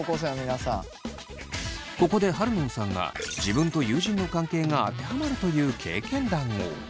ここでハルノンさんが自分と友人の関係が当てはまるという経験談を。